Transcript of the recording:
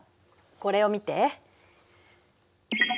これを見て。